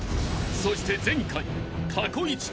［そして前回］